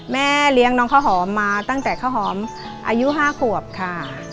แม่เลี้ยงน้องข้าวหอมมาตั้งแต่ข้าวหอมอายุ๕ขวบค่ะ